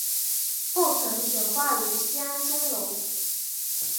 后曾悬挂于西安钟楼。